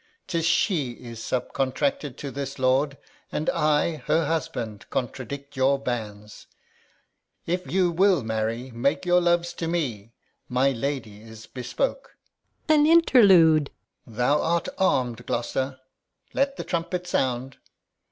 'Tis she is subcontracted to this lord, And I, her husband, contradict your banes. If you will marry, make your loves to me; My lady is bespoke. Gon. An interlude! Alb. Thou art arm'd, Gloucester. Let the trumpet sound.